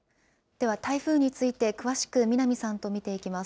では台風について、詳しく南さんと見ていきます。